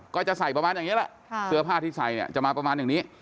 ก็จะใส่ประมาณอย่างนี้แหละเสื้อผ้าที่ใส่เนี่ยจะมาประมาณอย่างนี้